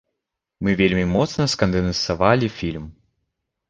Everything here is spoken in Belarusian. Мы вельмі моцна скандэнсавалі фільм.